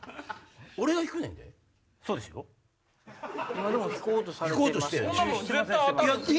今でも引こうと。